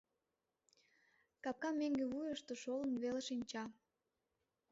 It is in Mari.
Капка меҥге вуйышто шолын веле шинча.